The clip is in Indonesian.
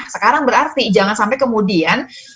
sekarang berarti jangan sampai kemudian